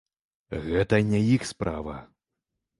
Гэта не іх справа!